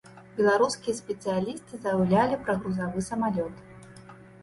Беларускія спецыялісты заяўлялі пра грузавы самалёт.